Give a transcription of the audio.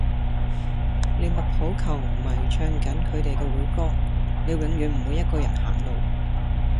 利物浦球迷唱緊佢地既會歌:你永遠唔會一個人行路.